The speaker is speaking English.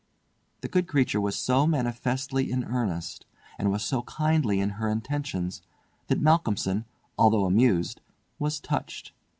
The good creature was so manifestly in earnest, and was so kindly in her intentions, that Malcolmson, although amused, was touched.